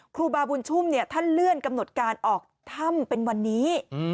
ครูบาบุญชุ่มท่านเลื่อนกำหนดการออกถ้ำเป็นวันนี้